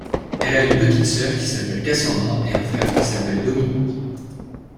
Elle a une petite sœur qui s'appelle Cassandra et un frère qui s'appelle Dominic.